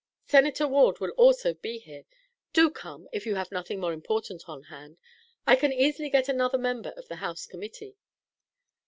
Senator Ward also will be here. Do come, if you have nothing more important on hand. I can easily get another member of the House Committee."